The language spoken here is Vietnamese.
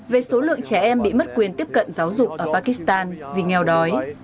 về số lượng trẻ em bị mất quyền tiếp cận giáo dục ở pakistan vì nghèo đói